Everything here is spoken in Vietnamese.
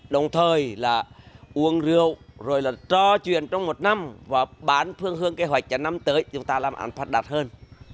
đồng thời là uống rượu rồi là trò chuyện trong một năm và bán phương hương kế hoạch cho năm tới chúng ta làm án phạt đạt hơn